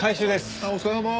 ああお疲れさま！